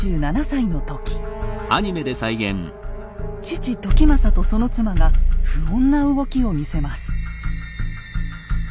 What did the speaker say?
父・時政とその妻が不穏な動きを見せます。